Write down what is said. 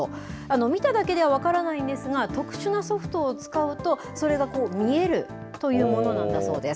見ただけでは分からないんですが、特殊なソフトを使うと、それが見えるというものなんだそうです。